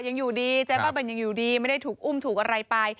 ยังอยู่ดีเจ๊บ้าบินยังอยู่ดีไม่ได้ถูกอุ้มถูกอะไรไป